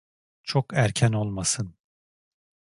Çok erken olmasın.